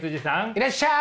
いらっしゃい！